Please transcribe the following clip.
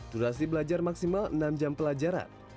durasi belajar maksimal enam jam pelajaran